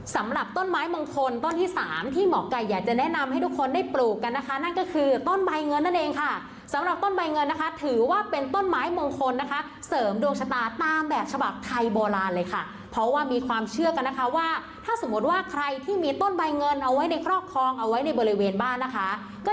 สำหรับต้นไม้มงคลต้นที่สามที่หมอไก่อยากจะแนะนำให้ทุกคนได้ปลูกกันนะคะนั่นก็คือต้นใบเงินนั่นเองค่ะสำหรับต้นใบเงินนะคะถือว่าเป็นต้นไม้มงคลนะคะเสริมดวงชะตาตามแบบฉบับไทยโบราณเลยค่ะเพราะว่ามีความเชื่อกันนะคะว่าถ้าสมมติว่าใครที่มีต้นใบเงินเอาไว้ในครอบครองเอาไว้ในบริเวณบ้านนะคะก็